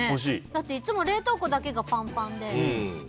だって、いつも冷凍庫だけがパンパンで。